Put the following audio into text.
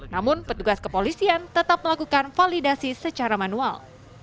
namun petugas kepolisian tetap melakukan validasi secara manual